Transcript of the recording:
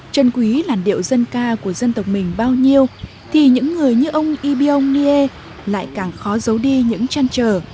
trân quý làn điệu dân ca của dân tộc mình bao nhiêu thì những người như ông ibyong niê lại càng khó giấu đi những trăn trở